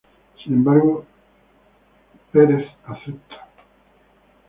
Sin embargo, Ryan acepta.